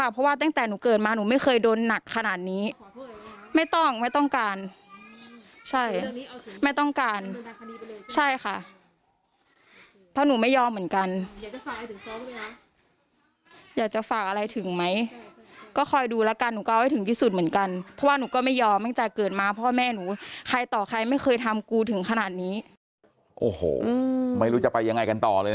ผมไม่รู้จะไปยังไงกันต่อเลยนะเนี่ย